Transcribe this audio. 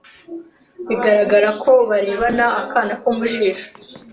bigaragara ko barebana akana ko mu ijisho